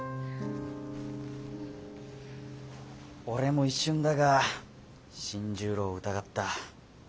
俺も一瞬だが新十郎を疑った。